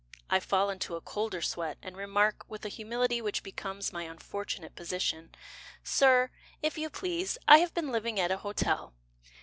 I fall into a colder sweat And remark, With a humility Which becomes my unfortunate position, "Sir, if you please, I have been living at an hotel."